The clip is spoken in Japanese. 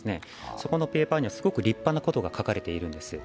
そこのペーパーにはすごく立派なことが書かれているんです。